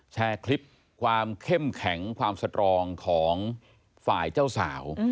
แชร์คลิปความเข้มแข็งความสตรองของฝ่ายเจ้าสาว